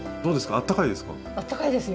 あったかいですよはい。